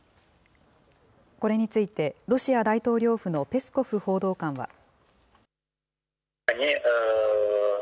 これについて、ロシア大統領府のペスコフ報道官は。